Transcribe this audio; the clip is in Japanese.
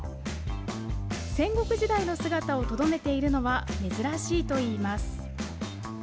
戦国時代の姿をとどめているのは珍しいといいます。